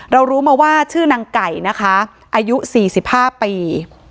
เรารู้ไม่ว่าชื่อนางไก่อายุ๔๕ปี